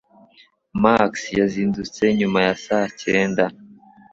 Max yazindutse nyuma ya saa cyenda